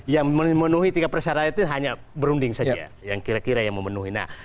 yang memenuhi tiga persyaratan itu hanya berunding saja yang kira kira yang memenuhi